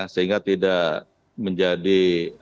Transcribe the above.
sehingga tidak menjadi